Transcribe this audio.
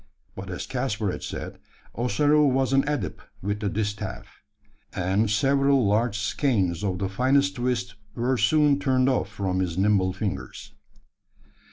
But as Caspar had said, Ossaroo was an adept with the distaff; and several large skeins of the finest twist were soon turned off from his nimble fingers.